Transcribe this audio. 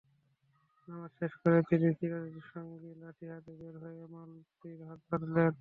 নামাজ শেষ করে তিনি চিরসঙ্গী লাঠি হাতে বের হয়ে মালতীর হাত ধরলেন।